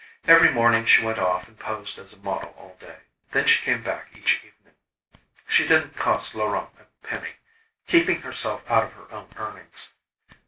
Every morning she went off and posed as a model all day. Then she came back each evening. She didn't cost Laurent a penny, keeping herself out of her own earnings.